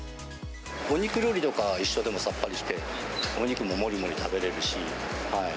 お肉料理とか一緒でもさっぱりして、お肉ももりもり食べれるし。